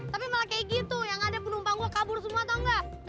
tapi malah kayak gitu yang ada penumpang gua kabur semua tau nggak